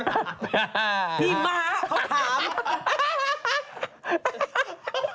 พี่ม้าเขาถาม